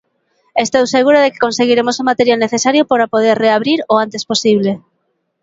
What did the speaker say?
Estou seguro de que conseguiremos o material necesario para poder reabrir o antes posible.